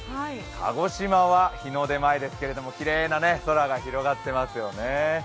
鹿児島は日の出前ですけれどきれいな空が広がってますよね。